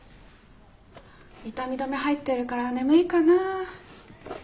痛み止め入ってるから眠いかな。